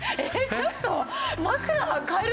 ちょっと。